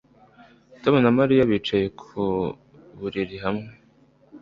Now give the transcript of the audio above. Tom na Mariya bicaye ku buriri hamwe